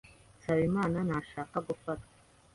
Nsabimana ntashaka gufatwa.